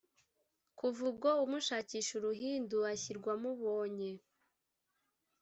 kuva ubwo amushakisha uruhindu ashirwa amubonye